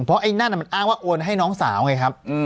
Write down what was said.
เพราะไอ้นั่นมันอ้างว่าโอนให้น้องสาวไงครับ